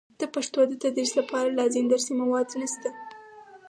د پښتو د تدریس لپاره لازم درسي مواد نشته.